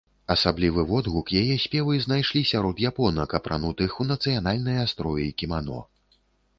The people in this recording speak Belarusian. Асаблівы водгук яе спевы знайшлі сярод японак, апранутых у нацыянальныя строі кімано.